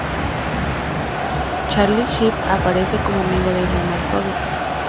Charlie Sheen aparece como amigo de John Malkovich.